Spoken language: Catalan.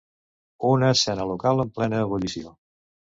Una escena local en plena ebullició.